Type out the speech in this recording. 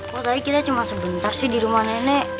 wah tadi kita cuma sebentar sih di rumah nenek